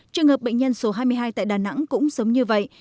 trường hợp bệnh nhân số hai mươi hai tại đà nẵng cũng giống như vậy